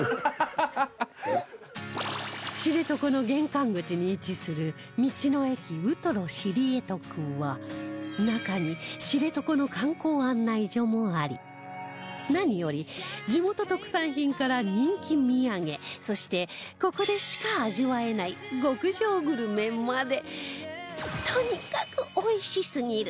知床の玄関口に位置する道の駅うとろ・シリエトクは中に知床の観光案内所もあり何より地元特産品から人気土産そしてここでしか味わえない極上グルメまでとにかく美味しすぎる！